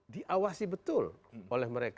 diawasi betul oleh mereka